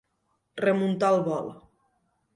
Remuntar el vol.